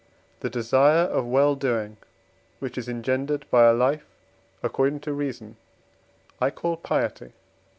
The desire of well doing, which is engendered by a life according to reason, I call piety.